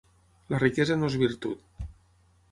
La riquesa no és virtut.